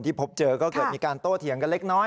พบเจอก็เกิดมีการโต้เถียงกันเล็กน้อย